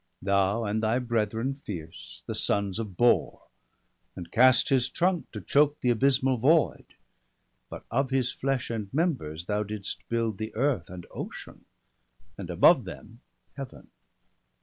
Thou and thy brethren fierce, the sons of Bor, And cast his trunk to choke the abysmal void. But of his flesh and members thou didst build The earth and Ocean, and above them Heaven.